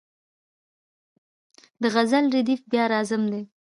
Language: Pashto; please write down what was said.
د غزل ردیف بیا راځم دی.